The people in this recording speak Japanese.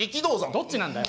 どっちなんだよ。